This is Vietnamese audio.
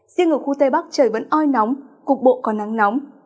riêng ở khu tây bắc trời vẫn oi nóng cục bộ có nắng nóng